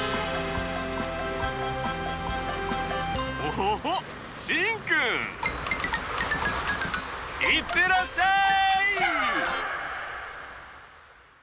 おっしんくん！いってらっしゃい！